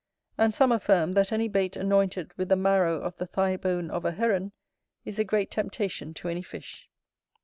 And some affirm, that any bait anointed with the marrow of the thigh bone of a heron is a great temptation to any fish.